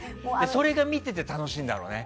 それが見てて楽しいんだろうね。